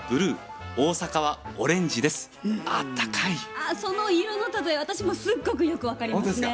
あその色の例え私もすっごくよく分かりますね。